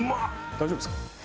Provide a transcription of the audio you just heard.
大丈夫ですか？